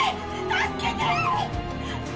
助けて！